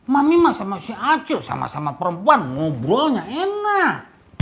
mami mah sama si acil sama sama perempuan ngobrolnya enak